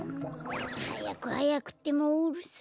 はやくはやくってもううるさいな。